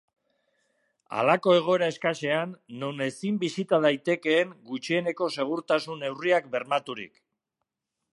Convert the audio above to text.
Halako egoera eskasean, non ezin bisita daitekeen gutxieneko segurtasun-neurriak bermaturik.